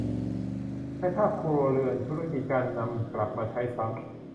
ในภาคครัวเรือน ธุรกิจ การนำกลับมาใช้ซ้ำ